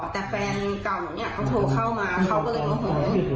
แต่แฟนเก่าหนูเนี่ยเขาโทรเข้ามาเขาก็เลยโมโห